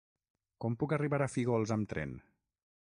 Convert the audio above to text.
Com puc arribar a Fígols amb tren?